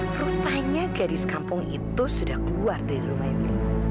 rupanya gadis kampung itu sudah keluar dari rumah ini